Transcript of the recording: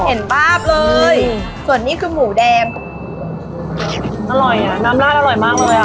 เห็นภาพเลยส่วนนี้คือหมูแดงอร่อยอ่ะน้ำลาดอร่อยมากเลยอ่ะ